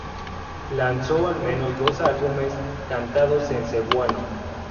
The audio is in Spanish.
Lanzó al menos dos álbumes cantados en cebuano.